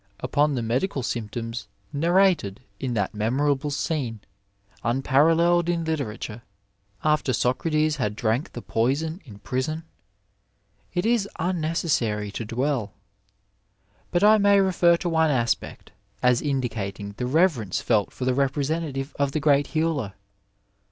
^ Upon the medical symptoms narrated in that memo rable scene, unparalleled in literature, after Socrates had drank the poison in prison, it is unnecessary to dwell ; but I may refer to one aspect as indicating the reverence felt for the representative of the great Healer.